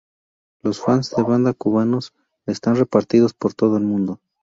Los fans de banda cubanos están repartidos por todo el mundo.